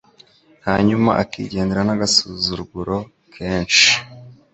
hanyuma akigendera n'agasuzuguro kenshi.